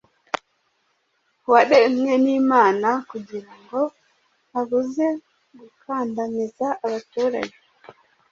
waremwe nimana kugirango abuze gukandamiza abaturage